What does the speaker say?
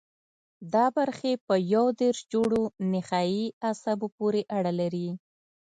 دا برخې په یو دېرش جوړو نخاعي عصبو پورې اړه لري.